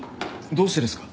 どうしてですか？